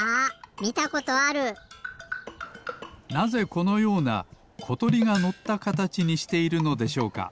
なぜこのようなことりがのったかたちにしているのでしょうか？